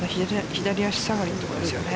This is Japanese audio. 左足下がりのところですよね。